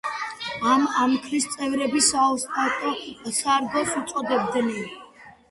ამას ამქრის წევრები „საოსტატო სარგოს“ უწოდებდნენ.